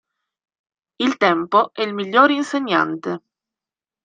Il tempo è il miglior insegnante.